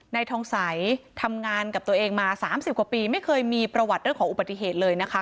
นายทองใสทำงานกับตัวเองมา๓๐กว่าปีไม่เคยมีประวัติเรื่องของอุบัติเหตุเลยนะคะ